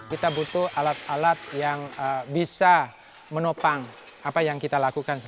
kita butuh alat alat yang bisa menopang apa yang kita lakukan